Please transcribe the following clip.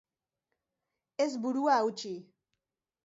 Ez burua hautsi.